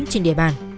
trên địa bàn